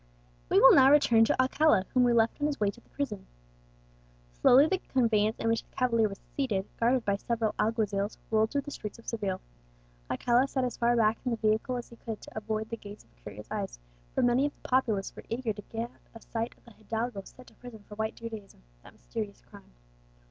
We will now return to Alcala, whom we left on his way to the prison. Slowly the conveyance in which the cavalier was seated, guarded by several alguazils, rolled through the streets of Seville. Alcala sat as far back in the vehicle as he could, to avoid the gaze of curious eyes; for many of the populace were eager to get a sight of a hidalgo sent to prison for White Judaism, that mysterious crime.